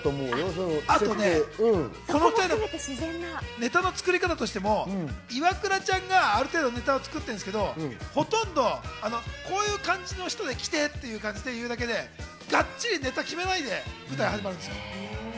ネタの作り方としても、イワクラちゃんがある程度ネタを作ってるんですけど、ほとんどこういう感じの人で来てっていう感じで言うだけでがっちりネタ決めないで舞台始まるんです。